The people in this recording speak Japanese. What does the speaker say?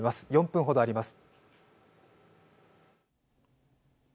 ４分ほどあります。